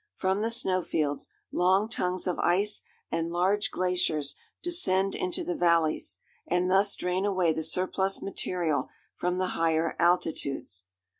From the snowfields, long tongues of ice and large glaciers descend into the valleys, and thus drain away the surplus material from the higher altitudes.